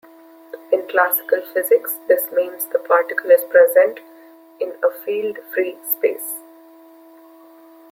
In classical physics, this means the particle is present in a "field-free" space.